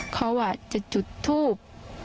เขาจะจุดทูบ